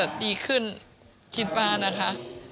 ดีขึ้นคิดว่านะคะ